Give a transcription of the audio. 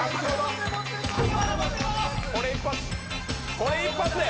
これ一発で。